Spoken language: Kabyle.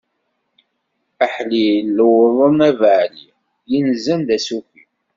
Aḥlil lewḍen abaɛli, yenzan d asuki!